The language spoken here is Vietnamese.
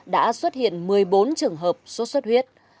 đã xuất hiện một mươi bốn trường hợp sốt xuất huyết